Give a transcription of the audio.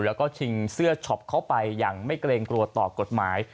แล้วก็ชิงเสื้อช็อปเข้าไปอย่างไม่เกรงกลัวต่อกฎหมาย